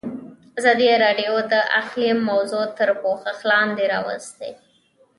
ازادي راډیو د اقلیم موضوع تر پوښښ لاندې راوستې.